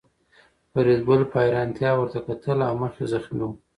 فریدګل په حیرانتیا ورته کتل او مخ یې زخمي و